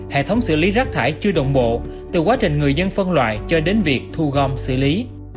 hệ thống xử lý rác thải chưa đồng bộ từ quá trình người dân phân loại cho đến việc thu gom xử lý